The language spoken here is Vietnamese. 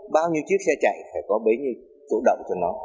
bao nhiêu chiếc xe chạy phải có bấy nhiêu chỗ động cho nó